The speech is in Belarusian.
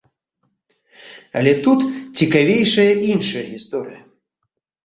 Але тут цікавейшая іншая гісторыя.